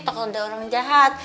takut ada orang jahat